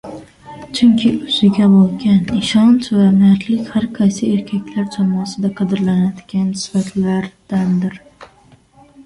Chunki o‘ziga bo‘lgan ishonch va mardlik – har qaysi erkaklar jamoasida qadrlanadigan sifatlardandir.